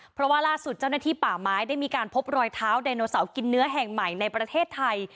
เพราะว่าล่าสุดเจ้าหน้าที่ป่าไม้ได้มีการพบรอยเท้าไดโนเสาร์กินเนื้อแห่งใหม่ในประเทศไทย